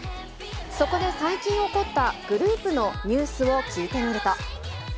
そこで最近起こったグループのニュースを聞いてみると。